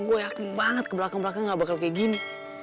gue yakin banget ke belakang belakang gak bakal kayak gini